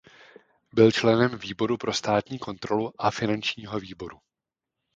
Byl členem výboru pro státní kontrolu a finančního výboru.